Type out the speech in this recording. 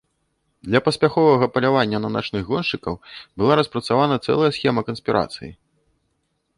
Для паспяховага палявання на начных гоншчыкаў была распрацавана цэлая схема канспірацыі.